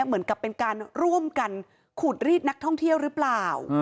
เหมือนกับเป็นการร่วมกันขูดรีดนักท่องเที่ยวหรือเปล่า